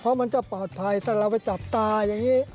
เพราะมันจะปลอดภัยถ้าเราไปจับตาอย่างนี้